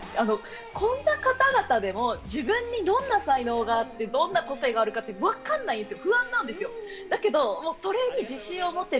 こんな方々でも自分にどんな才能があってどんな個性があるかってわかんないんですよね。